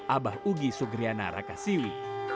abah ugi sugriana rakasiwi